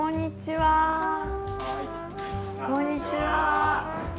はいこんにちは。